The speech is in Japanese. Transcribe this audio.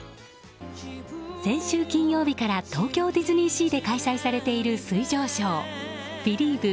先週金曜日から東京ディズニーシーで開催されている水上ショー「ビリーヴ！